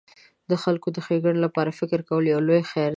د خلکو د ښېګڼې فکر کول یو لوی خیر دی.